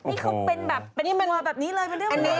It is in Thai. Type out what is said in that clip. นี่เขาเป็นแบบเป็นทัวร์แบบนี้เลยเป็นเรื่องอะไร